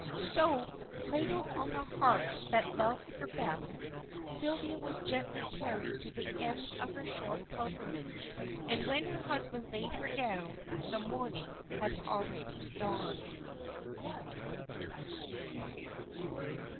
So, cradled on the heart that loved her best, Sylvia was gently carried to the end of her short pilgrimage, and when her husband laid her down the morning had already dawned.